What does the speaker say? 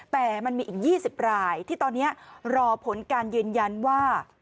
แต่มันมีอีก๒๐รายที่ตอนนี้รอผลการยืนยันว่า